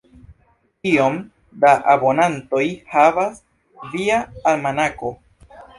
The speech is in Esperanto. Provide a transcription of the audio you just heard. Kiom da abonantoj havas via almanako?